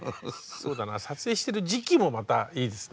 そうだな撮影してる時期もまたいいですね。